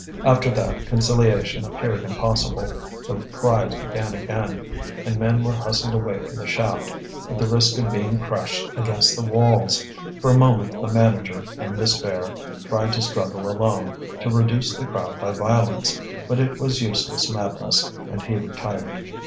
After that, conciliation appeared impossible. The cries began again, and men were hustled away from the shaft, at the risk of being crushed against the walls. For a moment the manager, in despair, tried to struggle alone, to reduce the crowd by violence; but it was useless madness, and he retired.